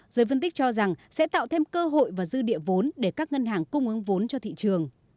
giới phân tích cho rằng sẽ tạo thêm cơ hội và dư địa vốn để các ngân hàng cung ứng vốn cho thị trường